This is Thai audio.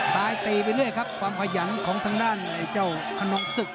ซ้ายตีไปด้วยครับความพยายามของทางด้านไอ้เจ้าคณองศึก